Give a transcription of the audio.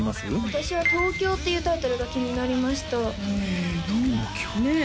私は「東京」っていうタイトルが気になりました「東京」ねえ